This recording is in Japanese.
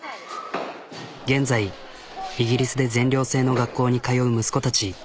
現在イギリスで全寮制の学校に通う息子たち。